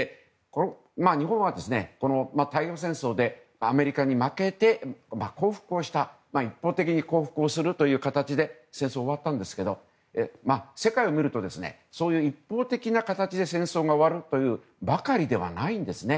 日本は太平洋戦争でアメリカに負けて一方的に降伏をするという形で戦争が終わったんですが世界を見るとそういう一方的な形で戦争が終わるばかりではないんですね。